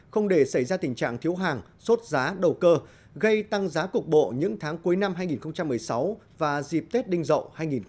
không để xảy ra tình trạng thiếu hàng sốt giá đầu cơ gây tăng giá cục bộ những tháng cuối năm hai nghìn một mươi sáu và dịp tết đinh dậu hai nghìn một mươi chín